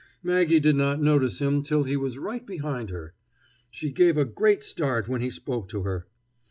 Maggie did not notice him till he was right behind her. She gave a great start when he spoke to her.